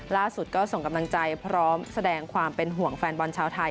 ล่าสุดก็ส่งกำลังใจพร้อมแสดงความเป็นห่วงแฟนบอลชาวไทย